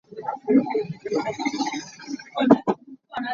Savuak nih vate a seh.